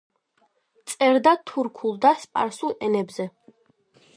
წერდა თურქულ და სპარსულ ენებზე.